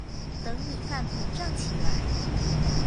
等米飯膨脹起來